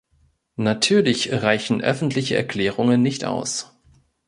Natürlich reichen öffentliche Erklärungen nicht aus.